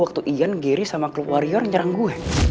waktu ian geri sama klub warrior nyerang gue